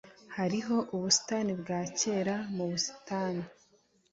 Hariho ubusitani bwakera mu busitani.